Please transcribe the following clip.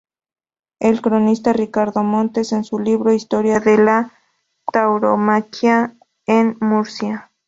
El cronista Ricardo Montes, en su libro "Historia de la Tauromaquia en Murcia.